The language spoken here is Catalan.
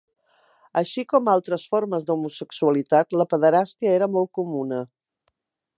Així com altres formes de l'homosexualitat, la pederàstia era molt comuna.